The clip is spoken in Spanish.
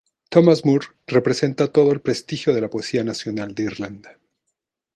Thomas Moore representa todo el prestigio de la poesía nacional de Irlanda.